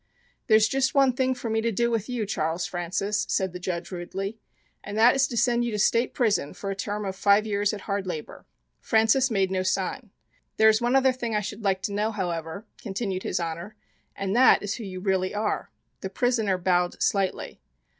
"There's just one thing for me to do with you, Charles Francis," said the Judge rudely, "And that is to send you to State Prison for a term of five years at hard labor." Francis made no sign. "There is one other thing I should like to know, however," continued His Honor, "And that is who you really are." The prisoner bowed slightly.